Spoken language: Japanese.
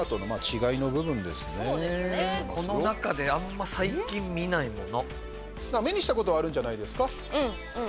この中であんま最近見ないもの。